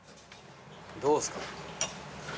どうすか？